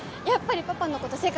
やっぱりパパのこと